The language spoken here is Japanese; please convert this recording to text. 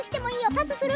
パスする？